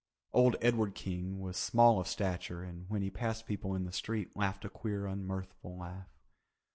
Old Edward King was small of stature and when he passed people in the street laughed a queer unmirthful laugh.